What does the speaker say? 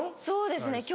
そうですね